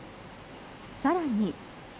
更に。